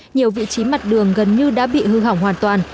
nhiều vị trí mặt đường gần như đã bị hư hỏng hoàn toàn